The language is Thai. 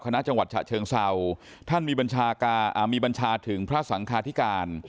คณะจังหวัดฉะเชิงเซาท่านมีบัญชาการมีบัญชาถึงพระสังคาธิการ